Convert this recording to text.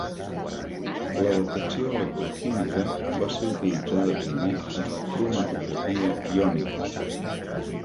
La detecció electroquímica va ser utilitzada primer en la cromatografia iònica.